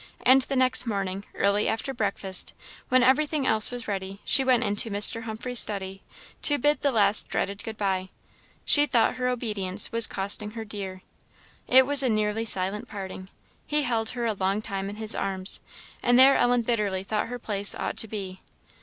And the next morning, early after breakfast, when everything else was ready, she went into Mr. Humphrey's study to bid the last dreaded good bye. She thought her obedience was costing her dear. It was nearly a silent parting. He held her a long time in his arms; and there Ellen bitterly thought her place ought to be.